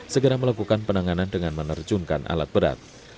segera melakukan penanganan dengan menerjunkan alat berat